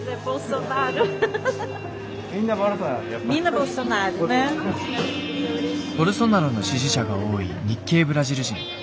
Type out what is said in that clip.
ボルソナロの支持者が多い日系ブラジル人。